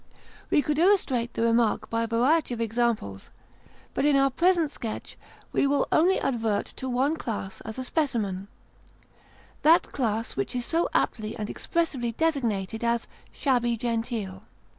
We could illustrate the remark by a variety of examples, but, in our present sketch, we will only advert to one class as a specimen that class which is so aptly and expressively designated as "shabby genteel."